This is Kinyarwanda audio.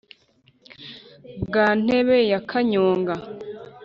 bwa ntebe ya kanyonga